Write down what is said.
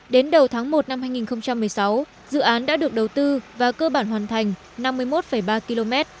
đến đầu tháng một năm hai nghìn một mươi sáu dự án đã được đầu tư và cơ bản hoàn thành năm mươi một ba km